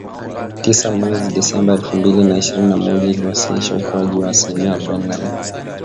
tisa mwezi Disemba elfu mbili na ishirini na moja ikiwasilisha ukuaji wa asilimia arubaini na nne